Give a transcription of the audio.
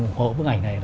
ủng hộ bức ảnh này